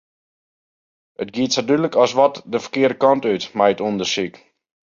It giet sa dúdlik as wat de ferkearde kant út mei it ûndersyk.